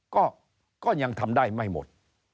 ก็ยังทำได้ไม่หมด